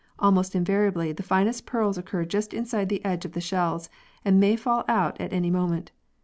Almost invariably the finest pearls occur just inside the edge of the shells, and may fall out at any moment.